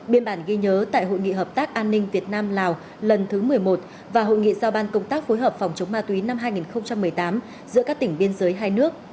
biên bản ghi nhớ tại hội nghị hợp tác an ninh việt nam lào lần thứ một mươi một và hội nghị giao ban công tác phối hợp phòng chống ma túy năm hai nghìn một mươi tám giữa các tỉnh biên giới hai nước